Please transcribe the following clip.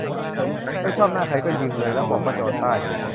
"ไม่ชอบหน้าใครก็ยิงเลย แล้วบอกว่าโจรใต้"